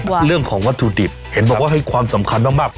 ว่าเรื่องของวัตถุดิบเห็นบอกว่าให้ความสำคัญมาก